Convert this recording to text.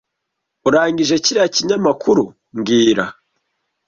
Urangije kiriya kinyamakuru mbwira